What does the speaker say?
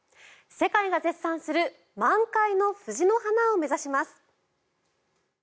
世界が絶賛する満開の藤の花を目指します！